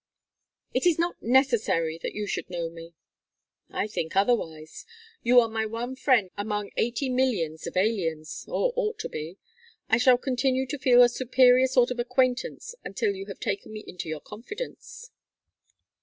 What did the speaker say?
"It is not necessary that you should know me." "I think otherwise. You are my one friend among eighty millions of aliens, or ought to be. I shall continue to feel a superior sort of acquaintance until you have taken me into your confidence."